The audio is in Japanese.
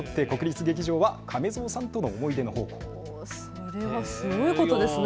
それはすごいことですね。